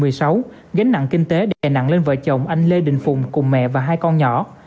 hồ chí minh thực hiện chí thị một mươi sáu gánh nặng kinh tế đè nặng lên vợ chồng anh lê đình phùng cùng mẹ và hai con nhỏ